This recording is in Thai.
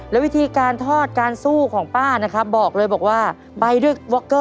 แล้ววิธีการทอดการสู้ของป้านะครับบอกเลยบอกว่าไปด้วย